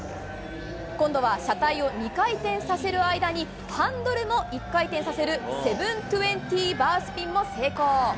今度は車体を２回転させる間に、ハンドルも１回転させる７２０バースピンも成功。